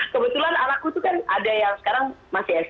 kebetulan anakku itu kan ada yang sekarang masih sd